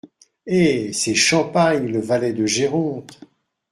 Eh ! c’est Champagne, le valet De Géronte…